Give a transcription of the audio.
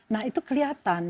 nah itu kelihatan